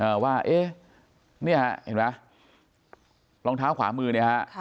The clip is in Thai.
เอ่อว่าเนี่ยเห็นไหมรองเท้าขวามือเนี่ยฮะค่ะ